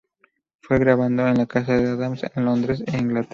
Fue grabado en la casa de Adams en Londres, Inglaterra.